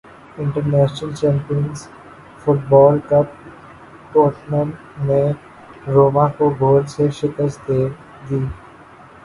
international champion football cup Tottenham نے Roma کو گول سے شکست دے دی